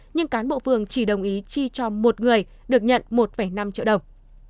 nhưng cán bộ phường chỉ đồng ý chi cho một người được nhận một năm triệu đồng